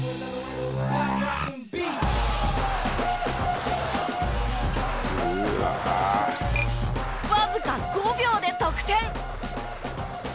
「うわあ」わずか５秒で得点。